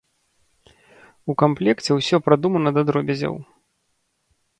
У камплекце ўсё прадумана да дробязяў.